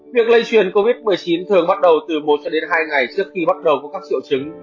việc lây truyền covid một mươi chín thường bắt đầu từ một cho đến hai ngày trước khi bắt đầu có các triệu chứng